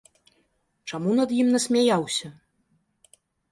Чаму над ім насмяяўся?